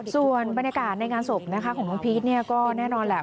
ส่วนบรรยากาศในงานศพนะคะของน้องพีชก็แน่นอนแหละ